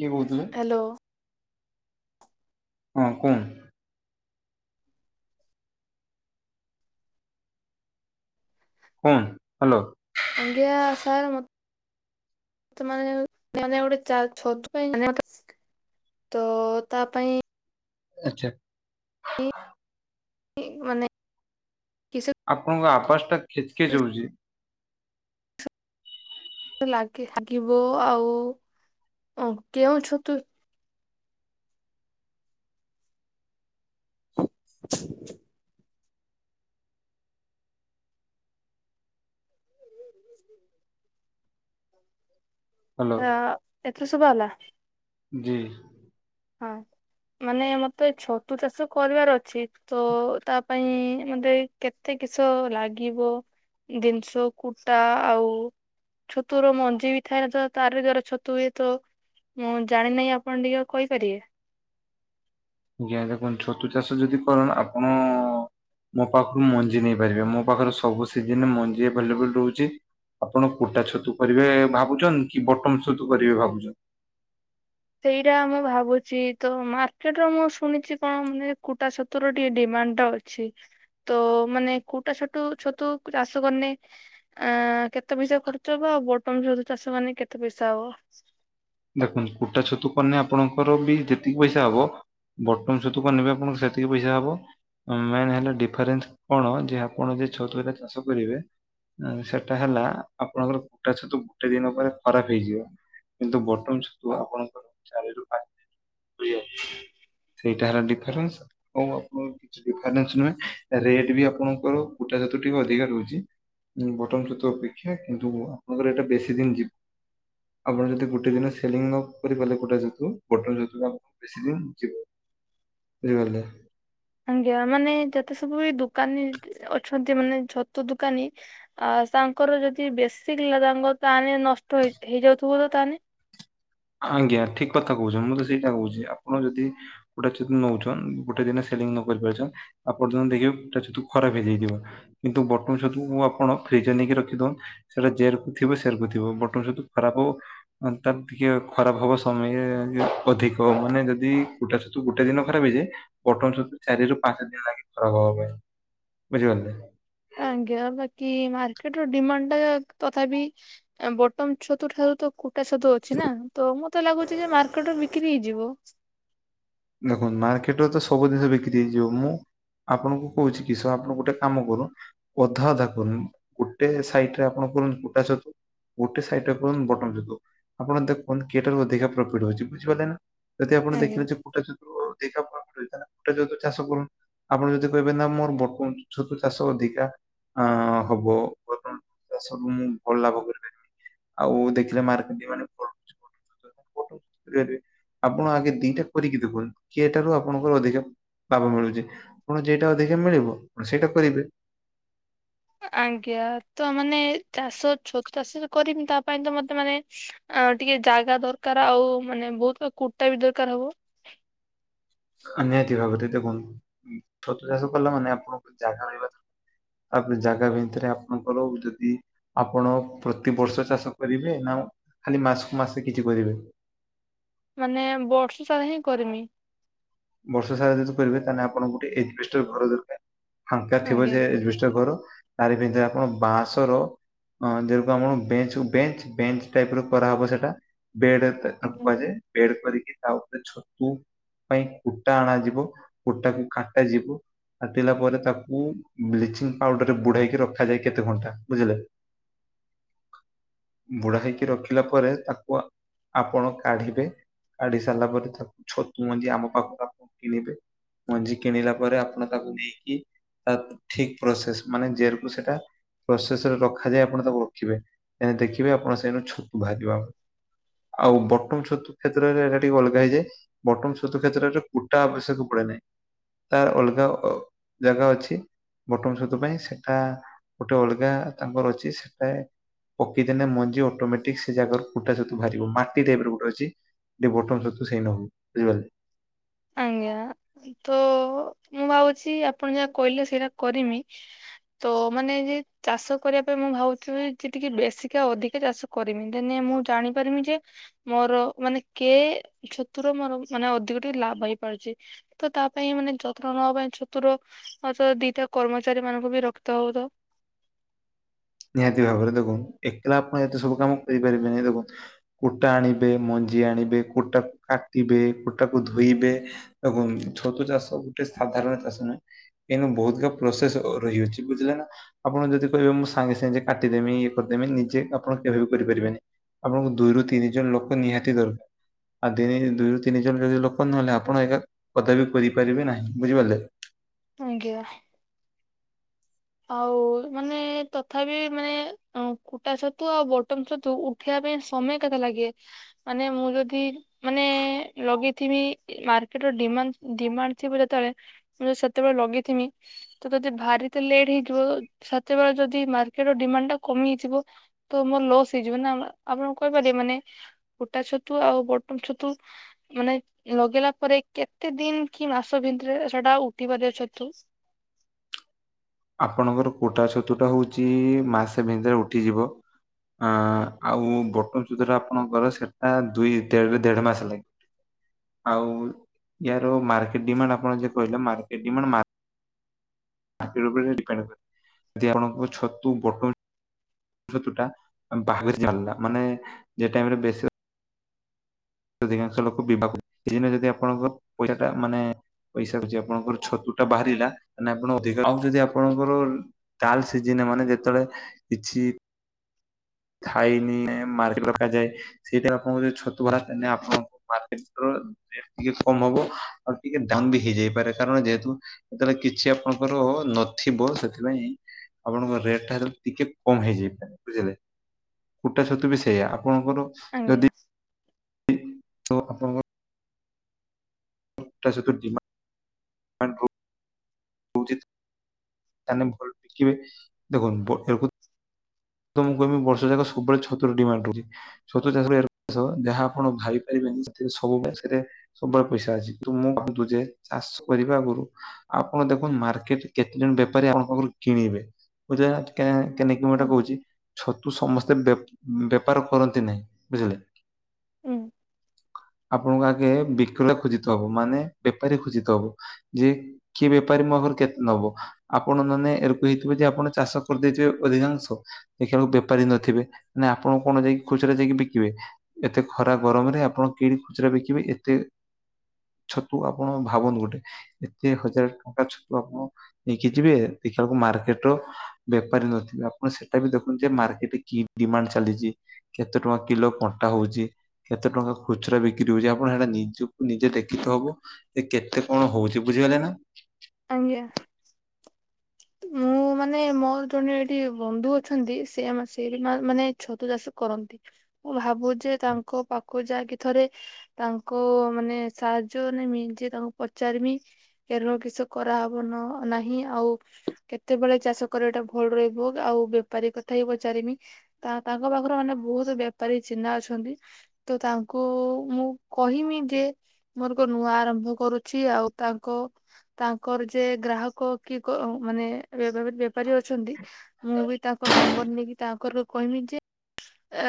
କିଏ କହୁଥିଲେ? ହ୍ୟାଲୋ। ହଁ କୁଁ। କୁଣ ହ୍ୟାଲୋ। ଆଙ୍ଗା ସାର୍ ମ ତ ମୋନେ ଗୋଟେ [unintelligible] ତ ତା ପାଇଁ ଆଛା। ମାନେ କିସ ଆପଣଙ୍କ ଆପସ ଟା ଖେଚ ଖେଚ ହଉଛି। ଲାଗ ଲାଗିବ ଆଉ କେଉଁ ଛତୁ [inaudible] ହ୍ୟାଲୋ। ହ ଏତ ସୁୁଭା ହେଲା? ଜି। ହଁ ମାନେ ମତେ ଛତୁ ଚାଷ କରିବାର ଅଛି ତ ତା ପାଇଁ ମତେ କେତେ କିସ ଲାଗିବ? ଜିନିଷ କୁଟା ଆଉ ଛତୁର ମଞ୍ଜି ବି ଥାଏ ନା ତ ତାର ବି ଜର ଛତୁ ହୁଏତ ମୁଁ ଜାଣିନେଇଁ ଆପଣ ଟିକେ କହିପାରିବେ? ଆଜ୍ଞା ଦେଖନ୍ତୁ ଛତୁ ଚାଷ ଯଦି କରନ୍ ଆପଣ ମୋ ପାଖରୁ ମଞ୍ଜି ନେଇପାରିବେ ମୋ ପାଖରେ ସବୁ ସିଜନରେ ମଞ୍ଜି ଆଭଲେବୁଲ ରହୁଚି। ଆପଣ କୁଟା ଛତୁ କରିବେ ଭାବୁଚନ୍ତି କି ବଟମ ଛତୁ କରିବେ ଭାବୁଚନ୍ ସେଇରା ମୁଁ ଭାବୁଚି ତ ମାର୍କେଟର ମୁଁ ଶୁଣିଚି କଣ ମାନେ କୁଟା ଛତୁର ଟିକେ ଡିମାଣ୍ଡଟା ଅ ଛି ତ ମାନେ କୁଟା ଛତୁ ଛତୁ ଚାଷ କନେ ଆଁ କେତେ ପଇସା ଖର୍ଚ୍ଚ ହବ ଆଉ ବଟମ ଛତୁ ଚାଷ ମାନେ କେତେ ପଇସା ହବ? ଦେଖନ୍ତୁ କୁଟା ଛତୁ କନେ ଆପଣଙ୍କର ବି ଯେତିକି ପଇସା ହବ ବଟମ ଛତୁ କନେ ବି ଆପଣଙ୍କ ସେତିକି ପଇସା ହବ। ମେନ୍ ହେଲା ଡିଫରେନ୍ସ କଣ ଯେ ଆପଣ ଯେ ଛତୁ ହେରା ଚାଷ କରିବେ ଆଁ ସେଟା ହେଲା ଆପଣଙ୍କର କୁଟାଛତୁ ଗୋଟେ ଦିନ ପରେ ଖରାପ ହେଇଯିବ କିନ୍ତୁ ବ ଟମ୍ ଛତୁ ଆପଣଙ୍କର ଚାରିରୁ ପାଞ୍ଚ ସେଇଟା ହେଲା ଡିଫରେନ୍ସ। ହୋଉ ଆପଣଙ୍କ କିଛି ଡିଫରେନ୍ସ ନୁହେଁ ରେଟ ବି ଆପଣଙ୍କର କୁଟାଛତୁ ଟିକେ ଅଧିକା ରହୁଚି। ଉଁ ବଟମ୍ ଛତୁ ଅପେକ୍ଷା କିନ୍ତୁ ଆପଣଙ୍କର ଏଟା ବେଶୀ ଦିନ ଯି ଆପଣ ଯଦି ଗୋଟେ ଦିନ ସି ସେଲିଂ ନ କରି ପାରଲେ କୁଟା ଛତୁ କୁଟା ଛତୁ ଆପଣ ବେଶୀ ଦନ ଯିବ ବୁଝିପାରଲେ? ଆଜ୍ଞା ମାନେ ଯେତେ ସବୁ ଏ ଦୋକାନୀ ଅଛନ୍ତି ମାନେ ଛତୁ ଦୋକାନୀ ଆ ସାଙ୍କର ଯଦି ବେଶୀ କିଲା ତାଙ୍କର ତାହାନେ ନଷ୍ଟ ହେଇ ହେଇଯାଉଥୁବ ତ ତାହାନେ? ଆଜ୍ଞା ଠିକ କଥା କୋହୁଚ ମୁଁ ତ ସେଇଟା କୋହୁଚି ଆପଣ ଯଦି ଗୋଟେ ଚି ନୋଉଚନ୍ ଗୋଟେ ଦିନ ସେଲିଂ ନ କରି ପାରୁଛନ୍ ଆଉ ପର୍ଯ୍ୟନ୍ତ ଦେଖିବେ କୁଟା ଛତୁ ଖରାପ ହେଇଯାଇଥିବ। କିନ୍ତୁ ବଟନ୍ ଛତୁକୁ ମୁଁ ଆପଣ ଫ୍ରିଜରେ ନେଇକି ରଖିଦୋଉଁ ସେଟା ଯେରକୁ ଥିବ ସେରକୁ ଥିବ ବଟନ ଛତୁ ଖରାପ ହବ ମାନ ତାର ଟିକେ ଖରାପ ହବ ସମୟେ ଅଧିକ ମାନେ ଯଦି କୁଟା ଛତୁ ଗୋଟେ ଦିନ ଖରାପ ହେଇଯାଏ ବଟନ ଛତୁ ଚାରିରୁ ପାଞ୍ଚ ଦିନ ଲାଗେ ଖରାପ ହବା ପାଇଁ ବୁଝିପାରଲ। ଆଜ୍ଞା ବାକି ମାର୍କେଟର ଡିମାଣ୍ଡଟା ତଥାପି ଏ ବଟମ ଛତୁଠାରୁ ତ କୁ କୁଟା ଛତୁ ଅଛି ନା ତ ମତେ ଲାଗୁଚି ଯେ ମାର୍କେଟରେ ବିକ୍ରି ହେଇଯିବ। ଦେଖନ୍ତୁ ମାର୍କେଟରେ ତ ସବୁ ଜିନିଷ ବିକ୍ରି ହେଇଯିବ ମୁଁ ଆପଣଙ୍କୁ କୋହୁଚି କିଶ ଆପଣ ଗୋଟେ କାମ କର ଅଧା ଅଧା କରୁନ୍ ଗୋଟେ ସାଇଟରେ ଆପଣ କରନ୍ତୁ କୁଟା ଛତୁ ଗୋଟେ ସାଇଟରେ ଆପଣ ବଟମ ଛତୁ ଆପଣ ଦେଖନ୍ତ କିଏଟାରୁ ଅଧିକା ପ୍ରଫିଟ୍ ହୋଉଚି ବୁଝିପାରିଲେ ନା। ଯଦି ଆପଣ ଆଜ୍ଞା। ଦେଖିଲେ ଯେ କୁଟା ଚତୁ ଅଧିକା ପ୍ରଫିଟ ହୋଉଚି ତାହେଲେ ଆପଣ କୁଟା ଛତୁ ଚାଷ କରନ୍ ଆପଣ ଯଦି କହିବେ ନା ମୋର ବଟମ ଛତୁ ଚାଷ ଅଧିକା ଅଁ ହବ ବର୍ତ୍ତମାନ ଚାଷକୁ ମୁଁ ଭଲ ଲାଭ କରିପାରିବି। ଆଉ ଦେଖିଲେ [unintelligible] [inaudible] ଆପଣ ଆଗେ ଦିଇଟା କରିକି ଦେଖନ୍ତୁ କିଏଟାରୁ ଆପଣଙ୍କର ଅଧିକା ଲାଭ ମିଳୁଚି ଆପଣ ଯେଇଟା ଅଧିକା ମିଳିବ ଆପଣ ସେଇଟା କରିବେ। ଆଜ୍ଞା ତ ମାନେ ଚାଷ ଛତୁ ଚାଷ ତ କରିମି ତା ପାଇଁ ତ ମତେ ମାନେ ଆ ଟିକେ ଜାଗା ଦରକାର ଆଉ ମାନେ ବୋହୁତ ପା କୁଟା ବି ଦରକାର ହବ। ନିହାତି ଭାବରେ ଦେଖନ୍ତୁ ଉଁ ଛତୁ ଚାଷ କଲାମାନେ ଆପଣଙ୍କୁ ଜାଗା ରହିବା ଦ ତାପରେ ଜାଗା ଭିତରେ ଆପଣଙ୍କର ଯଦି ଆପଣ ପ୍ରତିବର୍ଷ ଚାଷ କରିବେ ନା ଖାଲି ମାସକୁ ମାସ କିଛି କରିବେ? ମାନେ ବର୍ଷ ସାରା ହିଁ କରିମି। ବର୍ଷ ସାରା ଯଦି କରିବେ ତାହାନେ ଆପଣ ଗୋଟେ ଏଜବେଷ୍ଟର ଘର ଦରକାର। ଫାଙ୍କା ଥିବ ଆଜ୍ଞା ଯେ ଏଜବେଷ୍ଟର ଘର ତାରି ଭିତରେ ଆପଣ ବାଁସର ଅଁ ଯେଡୁକୁ ଆମର ବେଞ୍ଚକୁ ବେଞ୍ଚ ବେଞ୍ଚ ଟାଇପର କରାହବ ସେଟା ବେଡ ଏତେ ତାକୁ ଆଜ୍ଞା। କୁହାଯାଏ, ବେଡ କରିକି ତା ଉପରେ ଛତୁ ପାଇଁ କୁଟା ଆଣାଯିବ କୁଟାକୁ କାଟାଯିବ। କାଟିଲା ପରେ ତାକୁ ବ୍ଲିଚିଂ ପାଉଡର ରେ ବୁଢେଇକି ରଖାଯାଏ କେତେ ଘଣ୍ଟା ବୁଝିଲେ। ବୁଢା ହେଇକି ରଖିଲା ପରେ ତାକୁ ଆପଣ କାଢିବେ, କାଢି ସାରିଲା ପରେ ତାକୁ ଛତୁ ମଞ୍ଜି ଆମ ପାଖରୁ ଆପଣ କିଣିବେ। ମଞ୍ଜି କିଣିଲା ପରେ ଆପଣ ତାକୁ ନେଇକି ତା ଠିକ ପ୍ରସେସ ମାନେ ଯେରକୁ ସେଟ ପ୍ରୋସେସ ରେ ରଖାଯାଏ ଆପଣ ତାକୁ ରଖିବେ, ଦେଖିବେ ଆପଣ ସେଇଠୁ ଛତୁ ବାହାରିବ ଆ ଆଉ ବଟମ ଛତୁ କ୍ଷେତ୍ରରେ ଏଟା ଟିକେ ଅଲଗା ହେଇଯାଏ। ବଟମ ଛତୁ କ୍ଷେତ୍ରରେ କୁଟା ଆବଶ୍ୟକ ପଡେ ନାହିଁ, ତାର ଅଲଗା ଅ ଜାଗା ଅଛି। ବଟନ ଛତୁ ପାଇଁ ସେଟା ଗୋଟେ ଅଲଗା ତାଙ୍କର ଅଛି ସେଟା ପକେଇଦେଲେ ମଞ୍ଜି ଅଟୋମେଟିକ୍ ସେ ଜାଗାରୁ ଫୁଟା ସତୁ ବାହାରିବ। ମାଟି ଟାଇପ ଗୋଟେ ଅଛି ଟ ବୋଟ ସତ ସେଇ ନ ହଉ, ବୁଝିପାରିଲେ। ଆଜ୍ଞା ତ ମୁଁ ଭାବୁଛି ଆପଣ ଯାହା କହିଲେ ସେଇଟା କରିମି। ତ ମାନେ ଯେ ଚାଷ କରିବା ପାଇଁ ମୁଁ ଭାବୁଛି ଯେତିକି ବେଶୀକା ଅଧିକା ଚାଷ କରମି ଦେନେ ମୁଁ ଜାଣିପାରମି ଯେ ମୋର ମାନେ କେ ଛତୁର ମୋର ମାନେ ଅଧିକ ଟିକେ ଲାଭ ହେଇପାରୁଛି। ତ ତା ପାଇଁ ମାନେ ଯତ୍ନ ନବା ପାଇଁ ଛତୁର। ହଉ ତ ଦିଟା କର୍ମଚାରୀ ମାନଙ୍କୁ ବି ରକ୍ତ ହଉ ତ। ନିହାତି ଭାବରେ ଦେଖୁ ଏକଲା ଆପଣ ଏତେ ସବୁ କାମ କରିପାରିବେନି ଦେଖୁ କୁଟା ଆଣିବେ ମଞ୍ଜି ଆଣିବେ କୁଟା କାଟିବେ କୁଟାକୁ ଧୋଇବେ। ଏବଂ ଛତୁ ଚାଷ ଗୋଟେ ସାଧାରଣ ଚାଷ ନୁହେଁ। ଏଇନୁ ବହୁତକା ପ୍ରୋସେସ ରହିଅଛି, ବୁଝିଲେ ନା ଆପଣ ଯଦି କହିବେ ମୁଁ ସାଙ୍ଗେ ସାଙ୍ଗେ କାଟିଦେମି, ଇଏ କରିଦେମି, ନିଜେ ଆପଣ କେବେ ବି କରିପାରିବେନି। ଆପଣଙ୍କୁ ଦୁଇରୁ ତିନି ଜଣ ଲୋକ ନିହାତି ଦରକାର। ଆଉ ଦି ଦୁଇରୁ ତିନି ଜଣ ଯଦି ଲୋକ ନହେଲେ ଆପଣ ଏକା କଦବ ବି କରିପାରିବେ ନାହିଁ ବୁଝିପାରିଲେ। ଆଜ୍ଞା ଆଉ ମାନେ ତଥାପି ମାନେ କୁଟା ଛତୁ ଆଉ ବଟମ ଛତୁ। ଉଠେଇିବା ପାଇଁ ସମୟ କେତେ ଲାଗେ ମାନେ ମୁଁ ଯଦି ମାନେ ଲଗେଇଥିବି ମାର୍କେଟ ର ଡି ଡିମାଣ୍ଡ ଥିବ ଯେତେବେଳେ। ମୁଁ ଯ ସେତେବେଳେ ଲଗେଇଥିମି ତ ଯଦି ଭାରି ଲେଟ୍ ହେଇଯିବ ସେତେବେଳେ ଯଦି ମାର୍କେଟ ର ଡିମାଣ୍ଡ ଟା କମି ହେଇଯିବ ତ ମୋର ଲୋସ ହେଇଯିବ ନା, ଆପଣଙ୍କୁ କହିପାରିବେ ମାନେ ଫୁଟା ଛତୁ ଆଉ ବଟମ ଛତୁ ମାନେ ଲଗେଇଲା ପରେ କେତେ ଦିନ କି ମାସ ଭିତରେ ସେଟା ଉଠି ପାରିବ ଛତୁ। ଆପଣଙ୍କର କୁଟା ଛତୁ ଟା ହଉଛି ମାସେ ଭିତରେ ଉଠିଯିବ। ଅ ଆଉ ବଟନ ଛତୁ ଟା ଆପଣଙ୍କର, ସେଟା ଦୁଇ ଦେଢରେ ଦେଢ ମାସ ଲାଗେ। ଆଉ ୟାର ମାର୍କେଟ ଡିମାଣ୍ଡ ଆପଣ ଯ କହିଲେ ମାର୍କେଟ ଡିମାଣ୍ଡ ମାର ଡି ଯଦି ଆପଣଙ୍କ ଛତୁ ବଟନ ବା ଚାଲିଲା ମାନେ ଯେ ଟାଇ ରେ ବେଶୀ ଅଧିକାଂଶ ଲୋକ ବିବାହ କର ସେଦିନ ଯଦି ଆପଣଙ୍କ ପଇସା ଟା ମାନେ। ପଇସା ଅଛି ଆପଣଙ୍କର ଛତୁ ଟା ବାହାରିଲା ତାହେଲେ ଆପଣ ଅଧିକା, ଆଉ ଯଦି ଆପଣଙ୍କର ତାଲ ସିଜିିନ ମାନେ ଯେତେବେଳେ କିଛି [unintelligible] ସେଇଟା ଆପଣଙ୍କ ଯ ଛତୁ ବାହାରେ ମାନେ ଆପଣଙ୍କୁ ମକେଟ ର ଟିକେ କମ ହବ ଆଉ ଟିକେ ଦାମ ବି ହେଇଯାଇପାରେ କାରଣ ଯେହେତୁ। ଯେତେବେଳେ କିଛି ଆପଣଙ୍କର ନଥିବ, ସେଥିପାଇଁ ଆପଣଙ୍କ ରେଟ୍ ଟା ଟିକେ କମ ହେଇଯାଏ ବୁଝିଲେ? କୁଟା ଛତୁ ବି ସେଇଆ ଆପଣଙ୍କର ଆଜ୍ଞା ଯଦି ତ ଆପଣଙ୍କ [unintelligible] ତାନେ ଭଲ ଟିକେ ଦେଖନ୍ତୁ [unintelligible] ତମଁ କହିବି ବର୍ଷ ଯା ସବବେଳେ ଛତା ଡିମାଣ୍ଡ କରୁଛି। ଛତୁ ଚାଷ ଯାହା ଆପଣ [unintelligible] ସେଥି ସବୁବେରେ ସବୁବେଳେ ପଇସା ଅଛି ତ ମୁଁ ଭାବୁ ଯେ ଚାଷ କରିବା ଆଗରୁ ଆପଣ ଦେଖନ୍ତୁ ମାର୍କେଟରେ କେତେ ଜଣ ବେପାରୀ ଆପଣଙ୍କ ପାଖରୁ କିଣିବେ। ବୁଝେ କେନେକ ମୁଁଟା କହୁଛି। ଛତୁ ସମସ୍ତେ ବେପାର କରନ୍ତି ନାହିଁ ବୁଝିଲେ। ହୁଁ। ଆପଣଙ୍କ ଆଗେ ବିକିଲ ଖୋଜିତ ହବ ମାନେ ବେପାରୀ ଖୋଜିତ ହବ ଯେ। କିଏ ବେପାରୀ ମଘର କେତେ ନବ? ଆପଣ ମାନେ ଏ ରକୁ ହେଇଥିବେ ଯେ ଆପଣ ଚାଷ କରିଦେଇଥିବେ ଅଧିକାଂଶ। ଦେଖିବାକୁ ବେପାରି ନଥିବେ ନା ଆପଣ କଣ ଯାଇକି ଖୁଚୁରରେ ଯାଇକି ବିକିବେ। ଏତେ ଖରା ଗରମରେ ଆପଣ କିଣ ଖୁଚୁରା ବିକିବେ ଏତେ ଛତୁ ଆପଣ ଭାବନ୍ତୁ ଗୋଟେ। ଏତେ ହଜାର ଟଙ୍କା ଛତୁ ଆପଣ ନେଇକି ଯିବେ ଦେଖିବାକୁ ମାର୍କେଟର ବେପାରୀ ନଥିବେ ଆପଣ ସେଟା ବି ଦେଖନ୍ତୁ ଯେ ମାର୍କେଟରେ କି ଡିମାଣ୍ଡ ଚାଲିଛି। କେତେ ଟଙ୍କା କିଲୋ କଣ୍ଟା ହଉଛି। କେତେ ଟଙ୍କା ଖୁଚୁରା ବିକ୍ରି ହଉଛି ଆପଣ ସେଟା ନିଜକୁ ନିଜେ ଦେଖିତ ହବ। ସେ କେତେ କଣ ହଉଛି ବୁଝିଗଲେ ନା। ଆଜ୍ଞା। ହୁଁ। ମାନେ ମୋର ଜଣେ ଏଠି ବନ୍ଧୁ ଅଛନ୍ତି ସେ ସେଇଠି ମାନେ ଛତୁ ଚାଷ କରନ୍ତି। ମୁଁ ଭାବୁ ଯେ ତାଙ୍କ ପାଖକୁ ଯାଇକି ଥରେ ତାଙ୍କ ମାନେ ସାହାଯ୍ୟ ନେମି ଯ ତାଙ୍କୁ ପଚାରିମି। ଏର କିଛି କରାହେବନ ନାହିଁ ଆଉ କେତେବେଳେ ଚାଷ କରିବା ଟା ଭଲ ରହିବ ଆଉ ବେପାରୀ କଥା ହିଁ ପଚାରିମି। ତା ତାଙ୍କ ପାଖରେ ମାନେ ବହୁତ ବେପାରୀ ଚିହ୍ନା ଅଛନ୍ତି। ତ ତାଙ୍କୁ ମୁଁ କହିମି ଯେ ମୋର ଗୋ ନୂଆ ଆରମ୍ଭ କରୁଛି ଆଉ ତାଙ୍କ ତାଙ୍କର ଯେ ଗ୍ରାହକ କି ମାନେ ବେପାରୀ ଅଛନ୍ତି। ମୁଁ ବି ତାଙ୍କ ନମ୍ବର ନେଇକି ତାଙ୍କର କହିବି ଯେ ଅ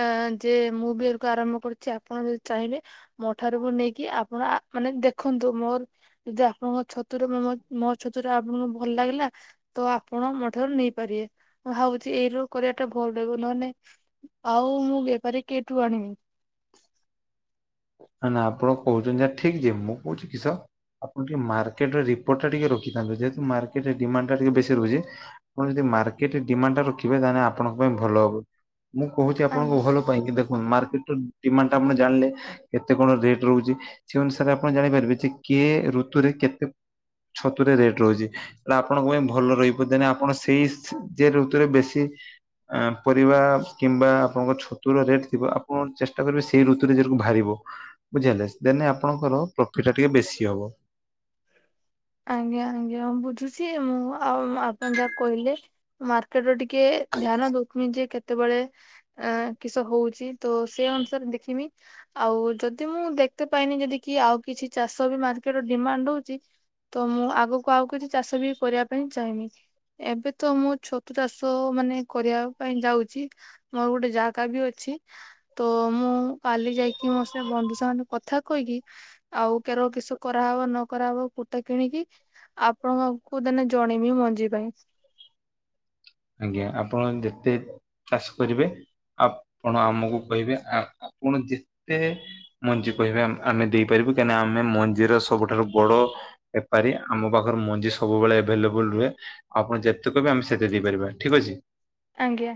ଯେ ମୁଁ ବି ଏକୁ ଆରମ୍ଭ କରୁଛି ଆପଣ ଯଦି ଚାହିଁବେ। ମଠାରୁକୁ ନେଇକି ଆପଣ ମାନେ ଦେଖନ୍ତୁ ମୋର ଯଦି ଆପଣଙ୍କ ଛତୁର ମୋ ଛତୁର ଆପଣଙ୍କୁ ଭଲ ଲାଗିଲା। ତ ଆପଣ ମୋ ଠାରୁ ନେଇ ପାରିବେ ମୁ ଭାବୁଛି ଏଇ ର କରିବାଟା ଭଲ ରହିବ ନହେ ନାଇଁ ଆଉ ମୁଁ ବେପାରୀ କେଠୁ ଆଣିବି? ନ ନା ଆପଣ କହୁଛନ୍ତି ଠିକ ଯେ ମୁଁ କହୁଛି କିସ? ଆପଣ ଟିକେ ମାର୍କେଟ ରିପୋର୍ଟ ଟା ଟିକେ ରଖିଥାନ୍ତୁ ଯେତୁ ମାର୍କେଟ ଡିଣ୍ଡ ଟା ଟିକେ ବେଶୀ ରହୁଛି। ଆପଣ ଯଦି ମାର୍କେଟ ଡିମାଣ୍ଡ ଟା ରଖିବେ ତାହେଲେ ଆପଣଙ୍କ ପାଇଁ ଭଲ ହବ। ମୁଁ କହୁଛି ଆପଣଙ୍କୁ ଆଜ୍ଞା। ଭଲ ପାଇଁକି ଦେଖନ୍ତ ମାର୍କେଟ ର ଡିମାଣ୍ଡ ଟା ଆପଣ ଜାଣିଲେ। କେତେ କଣ ରେଟ ରହୁଛି ସେ ଅନୁସାରେ ଆପଣ ଜାଣିପାରିବେ ଯେ କି ଋତୁରେ କେତେ ଛତୁ ରେ ରେଟ ରହୁଛି। ହେଲେ ଆପଣଙ୍କ ପାଇଁ ଭଲ ରହିପାରୁ ନା ଆପଣ ସେଇ ଯେ ଋତୁରେ ବେଶୀ। ପରିବା କିମ୍ବା ଆପଣଙ୍କ ଛତୁର ରେଟ୍ ଥିବ ଆପଣ ଚେଷ୍ଟା କରିବେ ସେଇ ଋତୁରେ ଯକୁ ବାହାରିବ। ବୁଝିହେଲେ ଦେନ ଆପଣଙ୍କର ପ୍ରଫିଟ ଟା ଟିକେ ବେଶୀ ହବ। ଆଜ୍ଞା ଆଜ୍ଞା ବୁଝୁଛି ମୁଁ ଆଉ ଆପଣ ଯାହା କହିଲେ। ମାର୍କେଟ ର ଟିକେ ଧ୍ୟାନ ଦଉଥମି ଯେ କେତେବେଳେ ଅ କିସ ହଉଛି ତ ସେ ଅନୁସାରେ ଦେଖିବି। ଆଉ ଯଦି ମୁଁ ଦେଖତେ ପାଇନି ଯଦି କି ଆଉ କିଛି ଚାଷ ବି ମାର୍କେଟ ର ଡିମାଣ୍ଡ ହଉଛି ତ ମୁଁ ଆଗକୁ ଆଉ କିଛି ଚାଷ ବି କରିବା ପାଇଁ ଚାହିଁବି। ଏବେ ତ ମୁଁ ଛତୁ ଚାଷ ମାନେ କରିବା ପାଇଁ ଯାଉଛି। ମୋର ଗୋଟେ ଜାଗା ବି ଅଛି। ତ ମୁଁ କାଲି ଯାଇକି ମୋ ସେ ବନ୍ଧୁ ସାଙ୍ଗ କଥା କହିକି ଆଉ କେର କିସ କରାହବ ନ କରାହବ ତ କିଣିକି ଆପଣଙ୍କୁ ଦେନେ ଜଣେଇମି ମଞ୍ଜି ପାଇଁ। ଆଜ୍ଞା ଆପଣ ଯେତେ ଚାଷ କରିବେ ଆପଣ ଆମକୁ କହିବେ ଆପଣ ଯେତେ ମଞ୍ଜି କହିବା ଆମେ ଦେଇପାରିବୁ କାହିଁକିନା ଆମେ ମଞ୍ଜିର ସବୁଠାରୁ ବଡ଼ ଏପାରି ଆମ ପାଖରେ ମଞ୍ଜି ସବୁବେଳେ ଏଭେଲେବୁଲ ରୁହେ ଆପଣ ଯେତେ କହିବେ ଆମେ ସେତେ ଦେଇପାରିବା। ଠିକ୍ ଅଛି। ଆଂଞ ଆ।